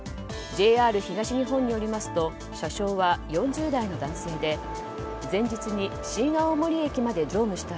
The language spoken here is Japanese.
ＪＲ東日本によりますと車掌は４０代の男性で前日に新青森駅まで乗務した